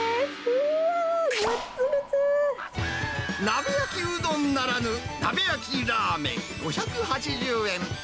うわー、鍋焼きうどんならぬ、鍋焼きラーメン５８０円。